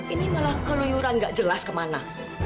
ini malah keluyuran nggak jelas kemana